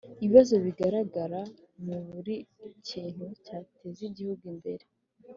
Ibibazo bigaragara muri buri kintu cyateza igihugu imbere